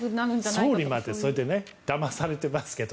総理までだまされていますけど。